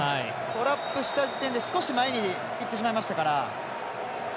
トラップした時点で少し前に行ってしまいましたから。